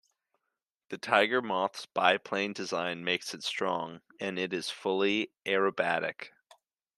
The Tiger Moth's biplane design makes it strong, and it is fully aerobatic.